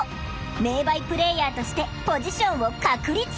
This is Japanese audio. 名バイプレーヤーとしてポジションを確立！